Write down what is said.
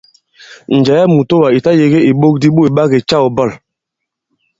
Njɛ̀ɛ ì mùtoà ì ta-yēgē ìɓok di ɓôt ɓa kè-câw bɔ̂l.